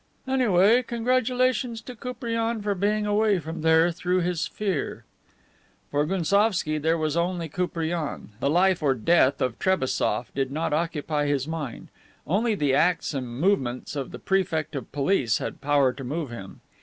"Anyway, congratulations to Koupriane for being away from there through his fear." For Gounsovski there was only Koupriane! The life or death of Trebassof did not occupy his mind. Only the acts and movements of the Prefect of Police had power to move him.